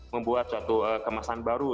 membuat suatu kemasan baru